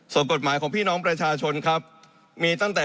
ตรงทุกที่ที่จะได้ความรู้ว่า